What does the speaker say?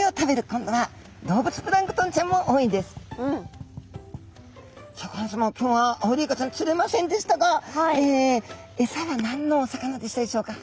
今日はアオリイカちゃん釣れませんでしたがエサは何のお魚でしたでしょうか？